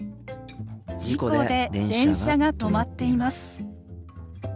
「事故で電車が止まっています」。